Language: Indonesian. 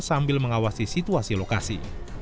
sambil mengawasi situasi lokasi